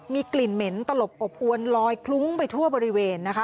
มีกลิ่นเหม็นตลบอบอวนลอยคลุ้งไปทั่วบริเวณนะคะ